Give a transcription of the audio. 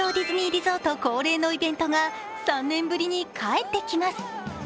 リゾート恒例のイベントが３年ぶりに帰ってきます